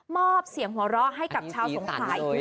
มอบเสียงหัวเราะให้กับชาวสงขายด้วย